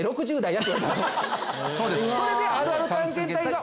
それであるある探検隊が。